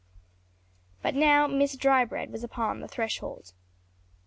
But now Miss Drybread was upon the threshold.